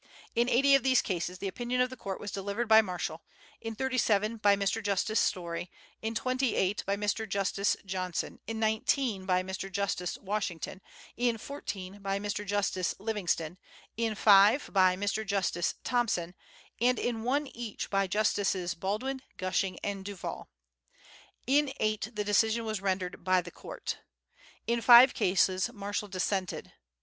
In eighty of these cases the opinion of the court was delivered by Marshall; in thirty seven by Mr. Justice Story; in twenty eight by Mr. Justice Johnson; in nineteen, by Mr. Justice Washington; in fourteen by Mr. Justice Livingston; in five, by Mr. Justice Thompson; and in one each by Justices Baldwin, Gushing, and Duvall. In eight the decision was rendered "by the court." In five cases Marshall dissented.